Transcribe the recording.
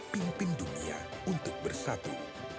pimpin dunia untuk bersatu